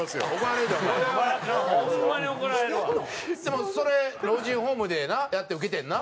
でもそれ老人ホームでなやってウケてんな。